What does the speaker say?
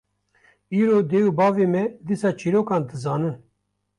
Îro dê û bavê me dîsa çîrokan dizanin